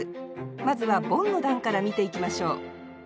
まずはボンの段から見ていきましょう